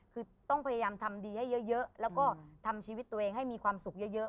คือต้องพยายามทำดีให้เยอะแล้วก็ทำชีวิตตัวเองให้มีความสุขเยอะ